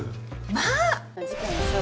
まあ！